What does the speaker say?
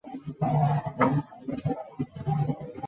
故事讲述华家与司徒家的一段大战。